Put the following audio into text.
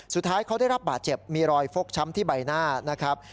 สุดท้ายเขาได้รับบาดเจ็บมีรอยฟกช้ำที่ใบหน้านะครับ